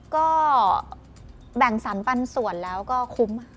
ก็แบ่งสรรปันส่วนแล้วก็คุ้ม